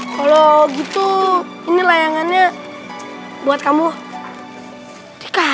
kalau gitu ini layangannya buat kamu nikah